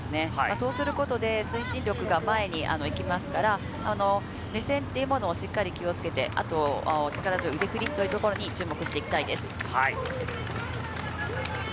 そうすることで推進力が前に行きますから、目線というものをしっかり気をつけて、あとは力強い腕ふりに注目していきたいです。